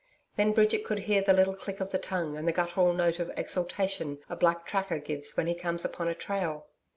Then Bridget could hear the little click of the tongue and the guttural note of exultation a black tracker gives when he comes upon a trail.